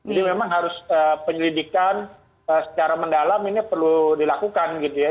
memang harus penyelidikan secara mendalam ini perlu dilakukan gitu ya